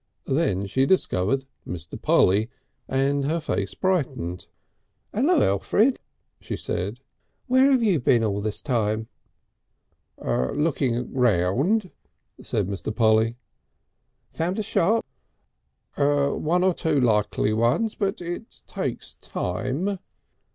Then she discovered Mr. Polly and her face brightened. "Ello, Elfrid!" she said. "Where you been all this time?" "Looking round," said Mr. Polly. "Found a shop?" "One or two likely ones. But it takes time."